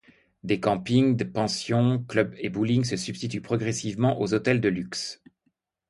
Des campings, pensions, clubs et bowlings se substituent progressivement aux hôtels de luxe.